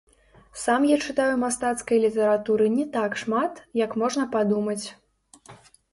Сам я чытаю мастацкай літаратуры не так шмат, як можна падумаць.